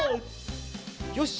よし！